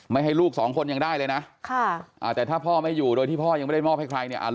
ให้ลูกสองคนยังได้เลยนะแต่ถ้าพ่อไม่อยู่โดยที่พ่อยังไม่ได้มอบให้ใครเนี่ย